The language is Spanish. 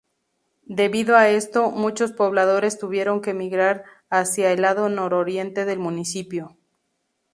Debido a esto, muchos pobladores tuvieron que migrar hacia el lado nororiente del municipio.